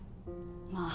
まあ